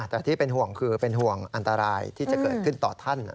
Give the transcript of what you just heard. แต่ที่เป็นห่วงคือเป็นห่วงอันตรายที่จะเกิดขึ้นต่อท่าน